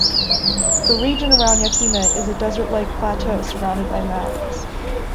The region around Yakima is a desert-like plateau surrounded by mountains.